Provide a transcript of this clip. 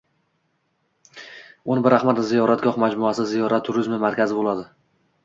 “O‘n bir Ahmad” ziyoratgoh majmuasi – ziyorat turizmi markazi bo‘ladi